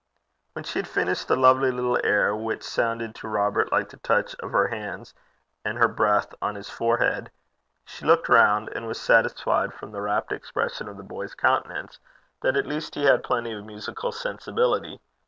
When she had finished a lovely little air, which sounded to Robert like the touch of her hands, and her breath on his forehead, she looked round, and was satisfied, from the rapt expression of the boy's countenance, that at least he had plenty of musical sensibility.